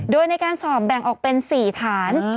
โดยในการสอบแบ่งออกเป็น๔ฐาน